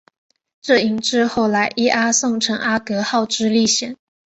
这引致后来伊阿宋乘阿格号之历险。